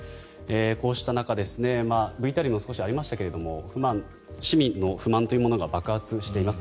こうした中ＶＴＲにも少しありましたが市民の不満が爆発しています。